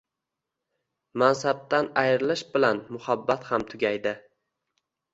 mansabdan ayrilish bilan “muhabbat” ham tugaydi.